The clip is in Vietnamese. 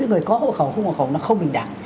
người có hộ khẩu không hộ khẩu nó không bình đẳng